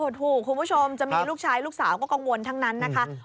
ถูกคุณผู้ชมจะมีลูกชายลูกสาวก็กังวลทั้งนั้นนะคะ